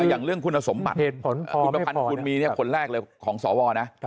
อย่างเรื่องคุณสมบัติคุณประพันธ์คุณมีเนี่ยคนแรกเลยของสวนะ